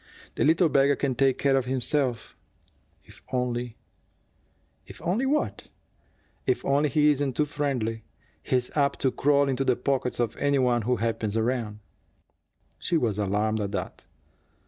"The little beggar can take care of himself, if only " "If only what?" "If only he isn't too friendly. He's apt to crawl into the pockets of any one who happens around." She was alarmed at that.